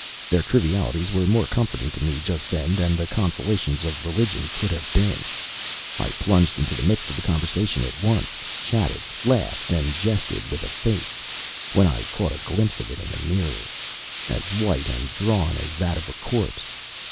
Their trivialities were more comforting to me just then than the consolations of religion could have been. I plunged into the midst of the conversation at once; chatted, laughed, and jested with a face (when I caught a glimpse of it in a mirror) as white and drawn as that of a corpse.